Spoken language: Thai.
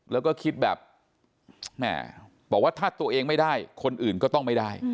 แล้วก็คิดแบบแม่บอกว่าถ้าตัวเองไม่ได้คนอื่นก็ต้องไม่ได้